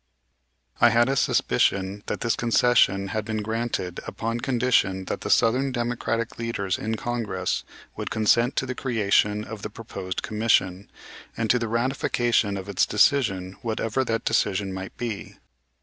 I had a suspicion that this concession had been granted upon condition that the southern Democratic leaders in Congress would consent to the creation of the proposed commission, and to the ratification of its decision, whatever that decision might be.